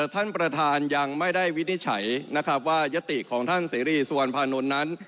ท่านประธานยังไม่ได้วินิจฉัยนะครับว่ายติของท่านเสรีสุวรรณภานนท์นั้น